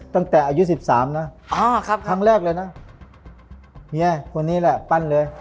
ตั้งแต่อายุ๑๓นะ